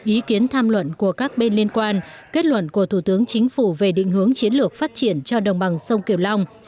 ý kiến tham luận của các bên liên quan kết luận của thủ tướng chính phủ về định hướng chiến lược phát triển cho đồng bằng sông kiều long